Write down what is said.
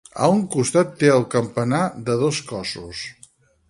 A un costat té el campanar, de dos cossos.